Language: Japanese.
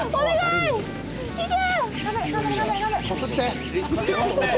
いけ！